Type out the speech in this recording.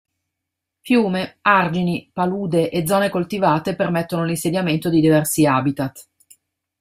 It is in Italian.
Fiume, argini, palude e zone coltivate permettono l'insediamento di diversi habitat.